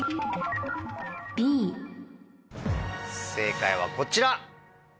正解はこちら。